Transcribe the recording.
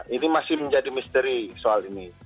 ini masih menjadi misteri soal ini